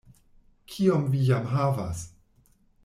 Kiom vi jam havas?